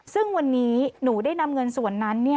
ซึ่งวันนี้หนูได้นำเงินส่วนนั้น